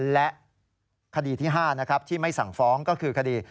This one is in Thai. และคดีที่๕นะครับที่ไม่สั่งฟ้องก็คือคดี